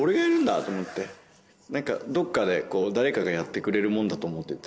どっかで誰かがやってくれるものだと思ってて。